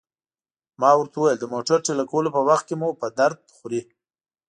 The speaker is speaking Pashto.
ما ورته وویل: د موټر ټېله کولو په وخت کې مو په درد خوري.